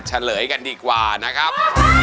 เฉลยกันดีกว่านะครับ